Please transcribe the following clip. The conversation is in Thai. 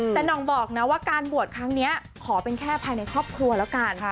แต่น่องบอกนะว่าการบวชครั้งนี้ขอเป็นแค่ภายในครอบครัวแล้วกัน